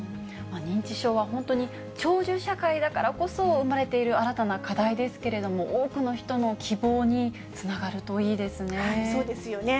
認知症は本当に、長寿社会だからこそ生まれている新たな課題ですけれども、多くの人の希望にそうですよね。